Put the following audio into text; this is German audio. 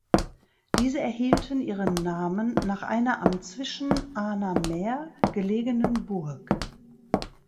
Diese erhielten ihren Namen nach einer am Zwischenahner Meer gelegenen Burg.